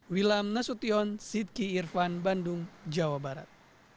wilam nasution sidki irfan bandung jawa barat